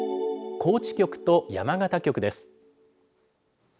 高知局と山形局です。